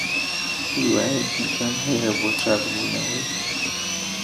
هیوایەکی کەم هەیە بۆ چاکبوونەوەی.